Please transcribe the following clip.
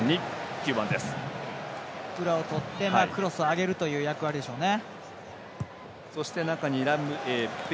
裏をとってクロスを上げる役割でしょうね。